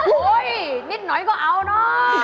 นิดหน่อยก็เอาเนอะ